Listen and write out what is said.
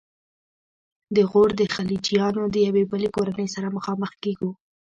د غور د خلجیانو د یوې بلې کورنۍ سره مخامخ کیږو.